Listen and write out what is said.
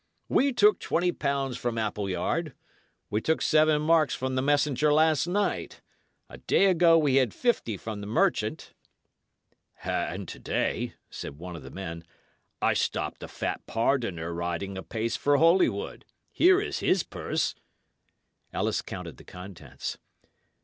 "We took twenty pounds from Appleyard. We took seven marks from the messenger last night. A day ago we had fifty from the merchant." "And to day," said one of the men, "I stopped a fat pardoner riding apace for Holywood. Here is his purse." Ellis counted the contents.